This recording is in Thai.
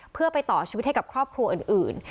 เพื่อไปต่อชีวิตให้กับครอบครัวอื่น